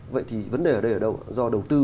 vậy thì vấn đề ở đây là do đầu tư